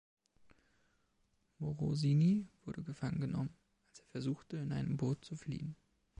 Morosini wurde gefangen genommen, als er versuchte, in einem Boot zu fliehen.